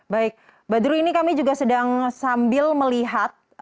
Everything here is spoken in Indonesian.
baik badru ini kami juga sedang sambil melihat